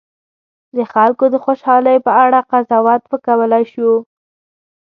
د خلکو د خوشالي په اړه قضاوت وکولای شو.